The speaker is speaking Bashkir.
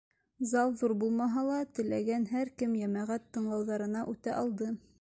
Зал ҙур булмаһа ла, теләгән һәр кем йәмәғәт тыңлауҙарына үтә алды.